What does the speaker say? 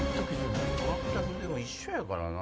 全く一緒やからな。